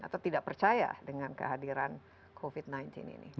atau tidak percaya dengan kehadiran covid sembilan belas ini